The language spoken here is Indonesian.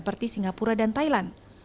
kepada singapura dan thailand